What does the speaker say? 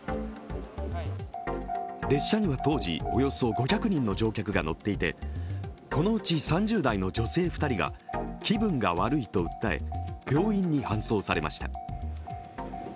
列車には当時、およそ５００人の乗客が乗っていてこのうち３０代の女性２人が気分が悪いと訴え病院に搬送されました。